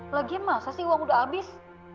lagian masa sih uang udah habis